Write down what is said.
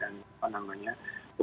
jadi ini bukan penyakit yang beda sekali